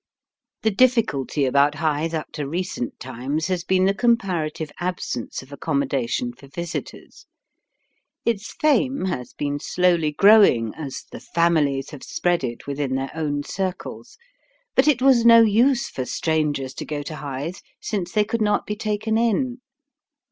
The difficulty about Hythe up to recent times has been the comparative absence of accommodation for visitors. Its fame has been slowly growing as The Families have spread it within their own circles. But it was no use for strangers to go to Hythe, since they could not be taken in.